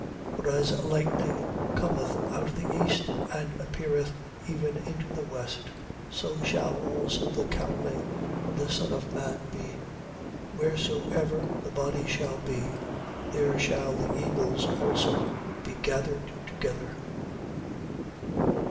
24:27. For as lightning cometh out of the east and appeareth even into the west: so shall also the cowling of the Son of man be. 24:28. Wheresoever the body shall be, there shall the eagles also be gathered together.